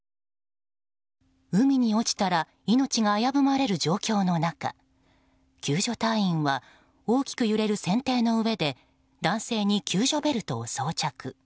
海に落ちたら命が危ぶまれる状況の中救助隊員は大きく揺れる船底の上で男性に救助ベルトを装着。